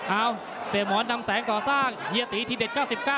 เอ้าเสียหมอนนำแสงก่อสร้างเฮียตีทีเด็ด๙๙